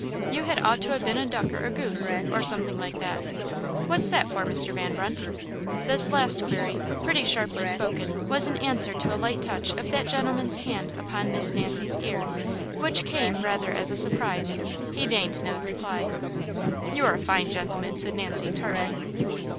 You had ought to ha' been a duck or a goose, or something like that. What's that for, Mr. Van Brunt!" This last query, pretty sharply spoken, was in answer to a light touch of that gentleman's hand upon Miss Nancy's ear, which came rather as a surprise. He deigned no reply. "You're a fine gentleman!" said Nancy, tartly.